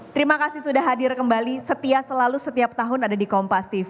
terima kasih sudah hadir kembali setia selalu setiap tahun ada di kompas tv